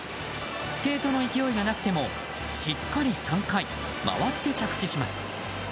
スケートの勢いがなくてもしっかり３回、回って着地します。